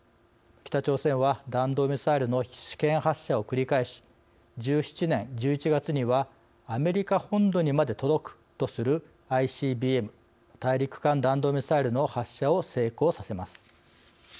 北朝鮮は弾道ミサイルの試験発射を繰り返し１７年１１月にはアメリカ本土にまで届くとするＩＣＢＭ＝大陸間弾道ミサイルの発射を成功させます。